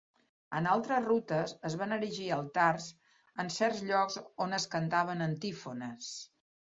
En altres rutes, es van erigir altars en certs llocs on es cantaven antífones.